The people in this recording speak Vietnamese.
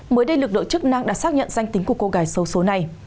mới đây lực lượng chức năng đã xác nhận danh tính của cô gái sâu số này